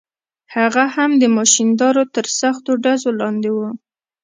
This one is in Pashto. هغه هم د ماشیندارو تر سختو ډزو لاندې و.